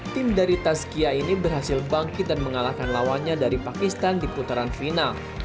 tim dari taskia ini berhasil bangkit dan mengalahkan lawannya dari pakistan di putaran final